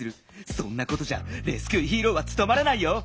そんなことじゃレスキューヒーローはつとまらないよ。